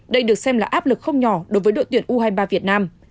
đây được xem là áp lực không nhỏ đối với đội tuyển u hai mươi ba việt nam